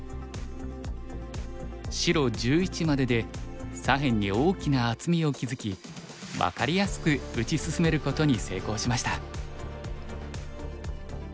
白１１までで左辺に大きな厚みを築き分かりやすく打ち進めることに成功しました。